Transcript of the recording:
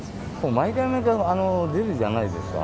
毎回毎回出るじゃないですか。